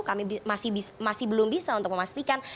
kami masih belum bisa untuk memastikan